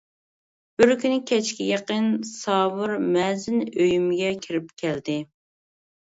بىر كۈنى كەچكە يېقىن ساۋۇر مەزىن ئۆيۈمگە كىرىپ كەلدى.